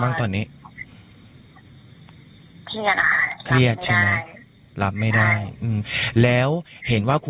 ภาพโป๊ะนี่คือไม่จะโดดดีอื่นอีก